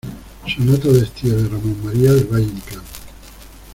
sonata de estío de Ramón María del Valle-Inclán.